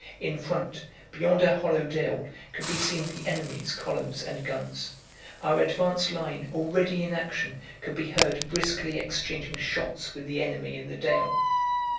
In front, beyond a hollow dale, could be seen the enemy's columns and guns. Our advanced line, already in action, could be heard briskly exchanging shots with the enemy in the dale.